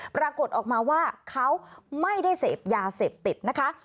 ปรากฏออกมาว่าเขาไม่ได้เสพยาเสพติดนะคะ